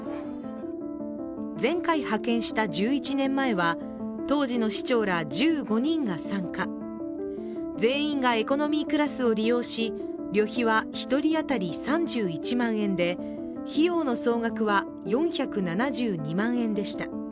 前回派遣した１１年前は当時の市長ら１５人が参加、全員がエコノミークラスを利用し旅費は１人当たり３１万円で費用の総額は４７２万円でした。